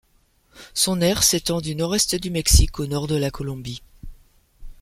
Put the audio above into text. Son aire s'étend du nord-est du Mexique au nord de la Colombie.